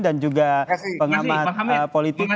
dan juga pengamatan politik